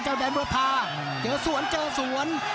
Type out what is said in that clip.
เจ้าแดนบริภาเจอสวนเจอสวน